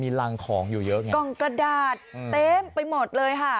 รังของอยู่เยอะไงกล่องกระดาษเต็มไปหมดเลยค่ะ